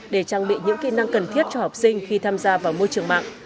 để trang bị những kỹ năng cần thiết cho học sinh khi tham gia vào môi trường mạng